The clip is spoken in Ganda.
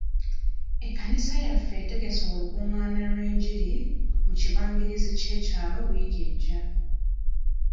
Ekkanisa yaffe etegese olukungaana lw'engiri mu kibangirizi ky'ekyalo wiiki ejja.